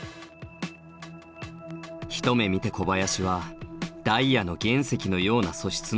一目見て小林はダイヤの原石のような素質の高さを感じ取った。